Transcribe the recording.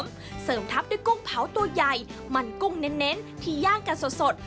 เสริมทับด้วยกุ้งเผาตัวใหญ่มันกุ้งเน้นที่ย่างกันสด